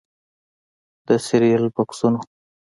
د سیریل بکسونو